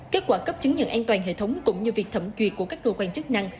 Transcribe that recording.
kết quả cấp chứng nhận an toàn hệ thống cũng như việc thẩm duyệt của các cơ quan chức năng